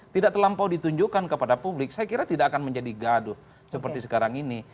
tidak terlampau ditunjukkan kepada publik saya kira tidak akan menjadi gaduh seperti sekarang ini